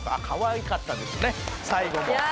「かわいかったですね最後も」